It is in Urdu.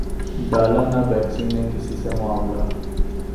ڈالا نہ بیکسی نے کسی سے معاملہ